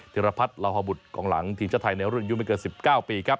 ธิรพัฒน์ลาฮบุตรกองหลังทีมชาติไทยในรุ่นอายุไม่เกิน๑๙ปีครับ